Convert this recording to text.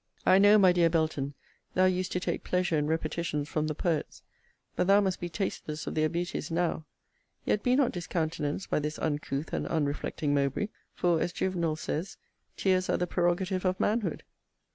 I know, my dear Belton, thou usedst to take pleasure in repetitions from the poets; but thou must be tasteless of their beauties now: yet be not discountenanced by this uncouth and unreflecting Mowbray, for, as Juvenal says, Tears are the prerogative of manhood.